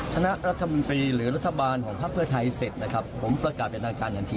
คณะรัฐบินตรีหรือรัฐบาลของภาพเพื่อไทยเสร็จนะครับผมประกาศได้ตามการอย่างงั้นที่